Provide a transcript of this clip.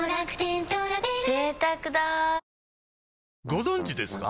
ご存知ですか？